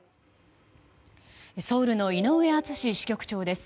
ソウルの井上敦支局長です。